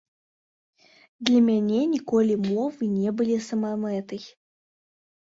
Для мяне ніколі мовы не былі самамэтай.